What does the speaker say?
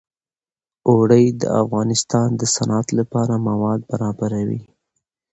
اوړي د افغانستان د صنعت لپاره مواد برابروي.